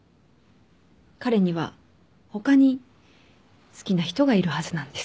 彼には他に好きな人がいるはずなんです。